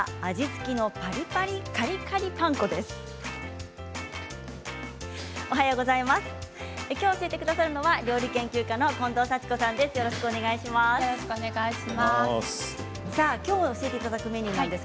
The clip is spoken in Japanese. きょう教えてくださるのは料理研究家の近藤幸子さんです。